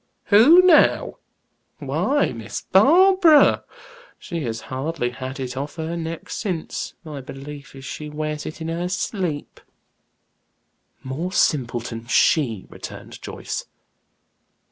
"'Who,' now! Why, Miss Barbara. She has hardly had it off her neck since, my belief is she wears it in her sleep." "More simpleton she," returned Joyce.